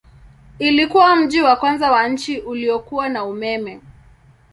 Ilikuwa mji wa kwanza wa nchi uliokuwa na umeme.